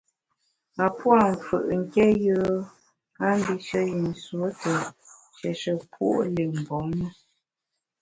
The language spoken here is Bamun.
A pua’ mfù’ nké yùe a mbishe yi nsuo te nshieshe puo’ li mgbom me.